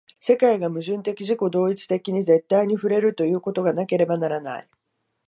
世界が矛盾的自己同一的に絶対に触れるということがなければならない。